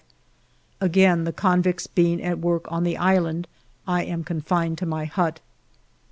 Again, the convicts being at work on the island, I am confined to my hut.